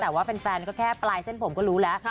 แต่ว่าแฟนก็แค่ปลายเส้นผมก็รู้แล้ว